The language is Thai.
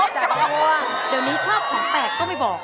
จับตัวเดี๋ยวนี้ชอบของแปลกก็ไม่บอก